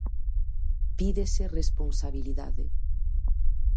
Pídese responsabilidade.